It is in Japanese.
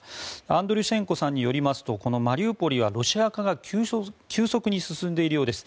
アンドリュシェンコさんによりますとこのマリウポリはロシア化が急速に進んでいるようです。